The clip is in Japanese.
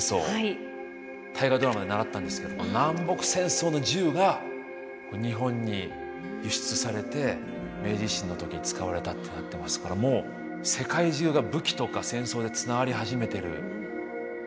「大河ドラマ」で習ったんですけど南北戦争の銃が日本に輸出されて明治維新の時に使われたってなってますからもう世界中が武器とか戦争でつながり始めてる。